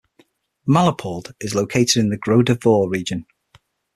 Malapalud is located in the Gros-de-Vaud region.